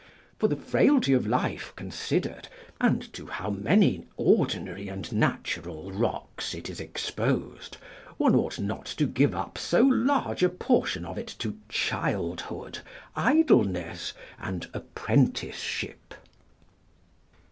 For the frailty of life considered, and to how many ordinary and natural rocks it is exposed, one ought not to give up so large a portion of it to childhood, idleness, and apprenticeship.